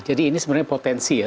jadi ini sebenarnya potensi ya